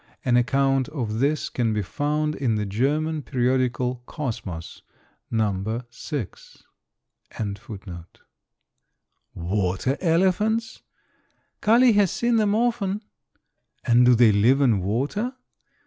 An account of this can be found in the German periodical "Kosmos," No. 6.] answered the young negro quietly. "Water elephants?" "Kali has seen them often." "And do they live in water?"